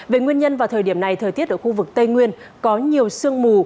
về nguyên nhân vào thời điểm này thời tiết ở khu vực tây nguyên có nhiều sương mù